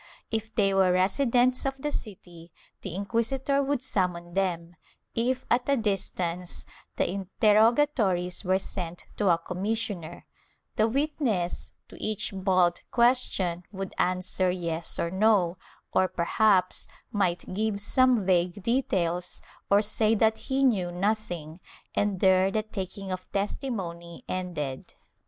If they were residents of the city, the inquisitor would summon them; if at a distance, the interrogatories were sent to a commissioner; the witness, to each bald question, would answer yes or no, or perhaps might give some vague details or say that he knew nothing, and there the taking of testimony ended.